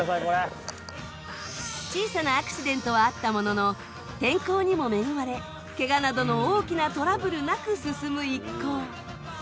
小さなアクシデントはあったものの天候にも恵まれケガなどの大きなトラブルなく進む一行。